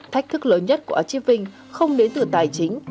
thách thức lớn nhất của archiving không đến từ tài chính